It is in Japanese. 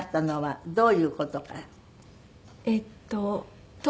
はい。